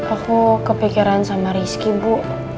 aku kepikiran sama rizky bu